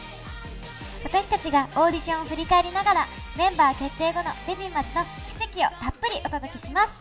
私たちがオーディションを振り返りながら、メンバー決定後のデビューまでの軌跡をたっぷりお届けします。